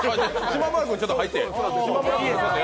島村君もちょっとやって。